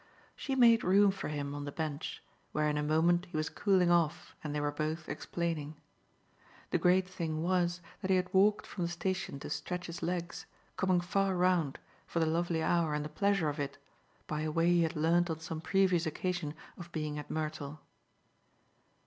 She made room for him on the bench, where in a moment he was cooling off and they were both explaining. The great thing was that he had walked from the station to stretch his legs, coming far round, for the lovely hour and the pleasure of it, by a way he had learnt on some previous occasion of being at Mertle.